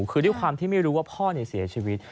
คือด้วยความที่ไม่รู้ว่าพ่อเสียชีวิต